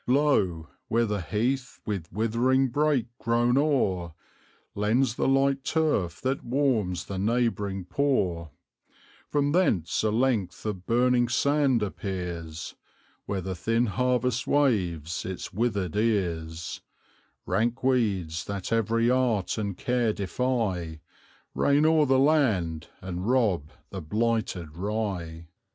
Lo! where the heath, with withering brake grown o'er, Lends the light turf that warms the neighbouring poor; From thence a length of burning sand appears, Where the thin harvest waves its withered ears; Rank weeds, that every art and care defy, Reign o'er the land and rob the blighted rye.